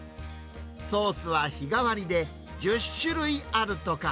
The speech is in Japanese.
ソースは日替わりで、１０種類あるとか。